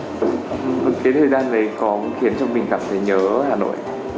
cái thời gian này có khiến cho mình cảm thấy nhớ hà nội